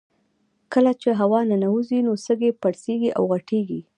کله چې هوا ننوځي نو سږي پړسیږي او غټیږي